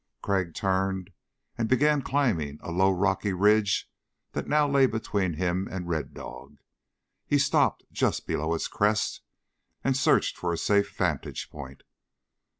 Crag turned and began climbing a low rocky ridge that now lay between him and Red Dog. He stopped just below its crest and searched for a safe vantage point.